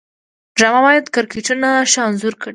ډرامه باید کرکټرونه ښه انځور کړي